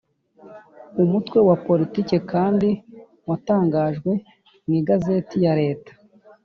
Umutwe wa Politiki kandi watangajwe mu Igazeti ya Leta